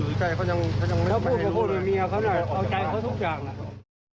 อยู่ใกล้เค้าทุกชายพูดกับผู้คนแม่เอาจัยเค้าทุกอย่างอะ